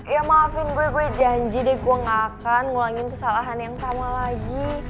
ya maafin gue gue janji deh gue gak akan ngulangin kesalahan yang sama lagi